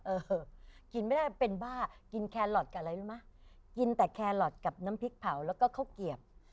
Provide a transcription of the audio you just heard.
เออกินไม่ได้เป็นบ้ากินแครอทกับอะไรรู้ไหมกินแต่แคลอทกับน้ำพริกเผาแล้วก็ข้าวเกียบ